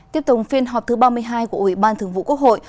tiếp tục phiên họp thứ ba mươi hai của ủy ban thường vụ quốc hội